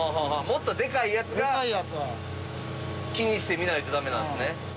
もっとでかいやつが気にして見ないとダメなんですね。